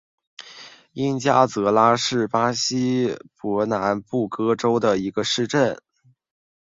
因加泽拉是巴西伯南布哥州的一个市镇。